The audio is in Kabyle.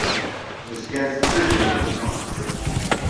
Nezga nttettu idrimen-nneɣ.